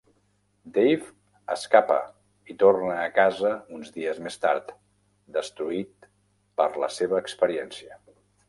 Dave escapa i torna a casa uns dies més tard, destruït per la seva experiència.